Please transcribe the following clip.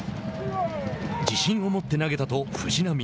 自信を持って投げたと藤浪。